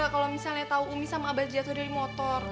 kalau misalnya tahu umi sama abah jatuh dari motor